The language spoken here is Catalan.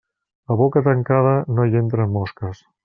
A boca tancada no hi entren mosques.